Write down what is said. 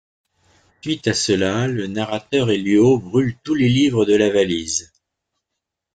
Suite à cela, le narrateur et Luo brûlent tous les livres de la valise.